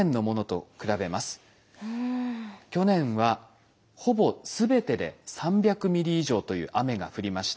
去年はほぼ全てで３００ｍｍ以上という雨が降りました。